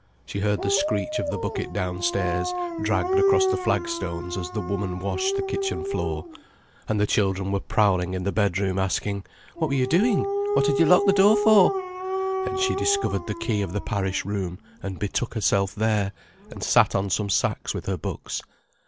She heard the screech of the bucket downstairs dragged across the flagstones as the woman washed the kitchen floor. And the children were prowling in the bedroom, asking: "What were you doing? What had you locked the door for?" Then she discovered the key of the parish room, and betook herself there, and sat on some sacks with her books.